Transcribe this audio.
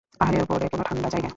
পাহাড়ের ওপরে কোনো ঠাণ্ডা জায়গায়।